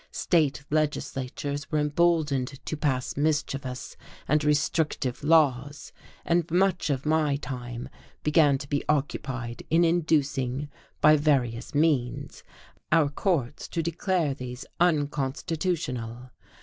State legislatures were emboldened to pass mischievous and restrictive laws, and much of my time began to be occupied in inducing, by various means, our courts to declare these unconstitutional.